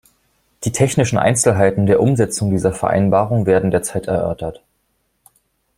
Die technischen Einzelheiten der Umsetzung dieser Vereinbarung werden derzeit erörtert.